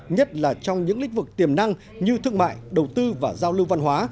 nhất là trong những lĩnh vực tiềm năng như thương mại đầu tư và giao lưu văn hóa